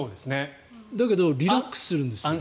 だけど、リラックスするんです。